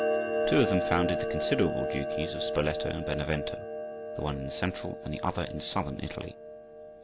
Two of them founded the considerable duchies of Spoleto and Benevento, the one in Central, and the other in Southern Italy.